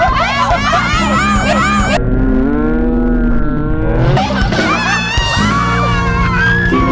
เอาใส่เข้าไปค่ะ